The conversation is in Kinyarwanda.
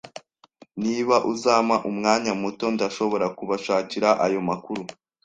Niba uzampa umwanya muto, ndashobora kubashakira ayo makuru.